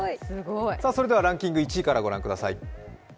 それでは、ランキング１位からご覧ください。